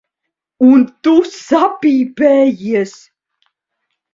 Un tu sapīpējies.